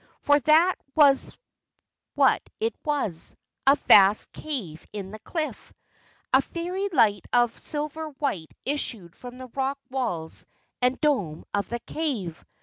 For that was what it was, a vast cave in the cliff. A fairy light of a silver white issued from the rock walls and dome of the cave.